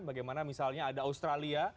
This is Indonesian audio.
bagaimana misalnya ada australia